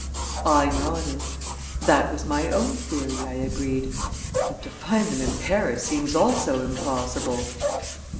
I nodded. "That was my own theory," I agreed. "But to find them in Paris, seems also impossible."